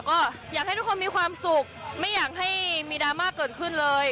ก็อยากให้ทุกคนมีความสุขไม่อยากให้มีดราม่าเกิดขึ้นเลย